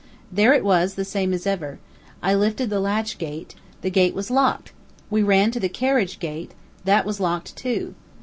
There it was, the same as ever. I lifted the gate latch; the gate was locked. We ran to the carriage gate; that was locked too.